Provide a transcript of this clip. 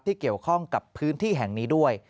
เกี่ยวข้องกับพื้นที่แห่งนี้ด้วย